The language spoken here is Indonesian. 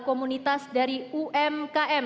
komunitas dari umkm